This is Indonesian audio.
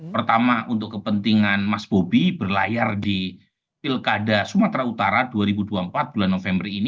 pertama untuk kepentingan mas bobi berlayar di pilkada sumatera utara dua ribu dua puluh empat bulan november ini